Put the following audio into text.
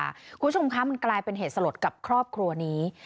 คุณผู้ชมคะมันกลายเป็นเหตุสลดกับครอบครัวนี้